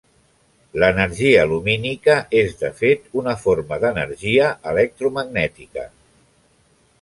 L'energia lumínica és de fet una forma d'energia electromagnètica.